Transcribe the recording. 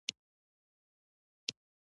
خو له تربور شرمېږي.